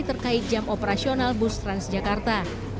terkait jam operasional bus transjakarta